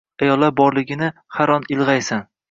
Ayollar borligini har on ilg‘aysan.